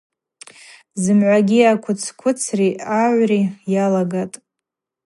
Зымгӏвагьи аквыцквыцри агӏври йалагатӏ.